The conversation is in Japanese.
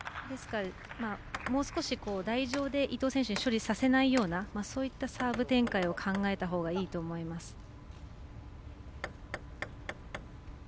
もう少し台上で伊藤選手に処理させないようなそういったサーブ展開を考えたほうがいいと思います。